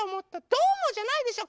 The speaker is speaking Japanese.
どうもじゃないでしょ。